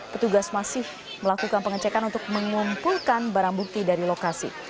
petugas masih melakukan pengecekan untuk mengumpulkan barang bukti dari lokasi